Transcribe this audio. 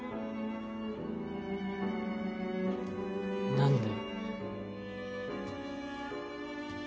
何で？